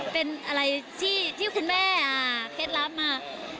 เป็นอะไรที่คุณแม่เคล็ดลับมา